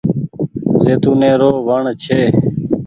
زيتونٚي رو وڻ ڇي۔